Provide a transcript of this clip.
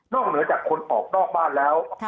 เหนือจากคนออกนอกบ้านแล้ว